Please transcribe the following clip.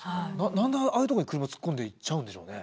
何でああいうところに車突っ込んでいっちゃうんでしょうね。